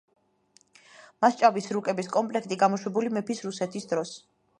მასშტაბის რუკების კომპლექტი, გამოშვებული მეფის რუსეთის დროს.